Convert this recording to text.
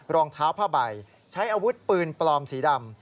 รองเท้าผ้าใบใช้อาวุธปืนปลอมสีดำ